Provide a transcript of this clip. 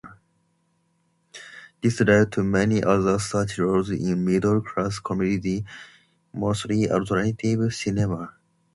This led to many other such roles in "middle-class" comedies, mostly alternative cinema.